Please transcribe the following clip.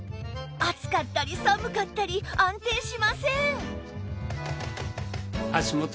暑かったり寒かったり安定しません